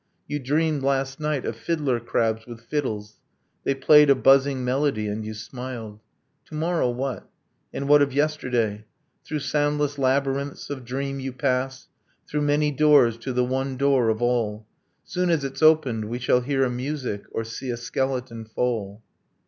You dreamed last night of fiddler crabs with fiddles; They played a buzzing melody, and you smiled. To morrow what? And what of yesterday? Through soundless labyrinths of dream you pass, Through many doors to the one door of all. Soon as it's opened we shall hear a music: Or see a skeleton fall